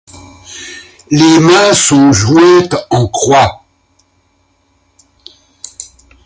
Les mains sont jointes en croix.